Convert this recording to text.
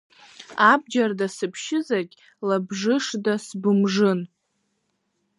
Абџьарда сыбшьызаргь, лабжышда сбымжын.